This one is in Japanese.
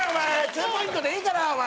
ツーポイントでいいから、お前。